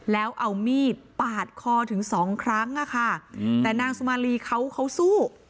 แล้วเอามีดปาดคอถึงสองครั้งอ่ะค่ะแต่นางสุมารีเขาเขาสู้